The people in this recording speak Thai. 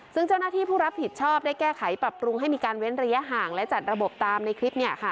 ซึ่งเจ้าหน้าที่ผู้รับผิดชอบได้แก้ไขปรับปรุงให้มีการเว้นระยะห่างและจัดระบบตามในคลิป